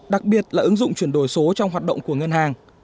đặc biệt là ứng dụng chuyển đổi số trong hoạt động của ngân hàng